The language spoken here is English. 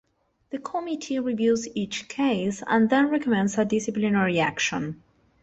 The Committee reviews each case and then recommends a disciplinary action.